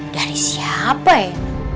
dari siapa ya